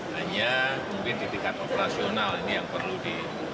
hanya mungkin di tingkat operasional ini yang perlu di